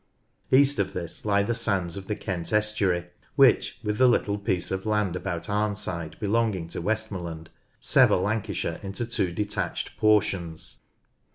East of this lie the sands of the Kent estuary which, with the little piece of land about Arnside belonging to Westmorland, sever Lancashire into two detached portions.